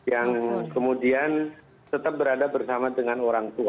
yang kemudian tetap berada bersama dengan orang tua